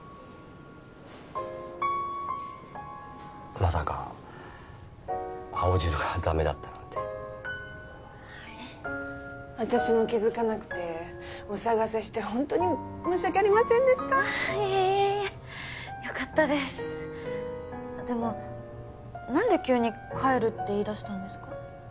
まさか青汁がダメだったなんてはい私も気づかなくてお騒がせしてホントに申し訳ありませんでしたいえいえいえいえよかったですでも何で急に帰るって言い出したんですか？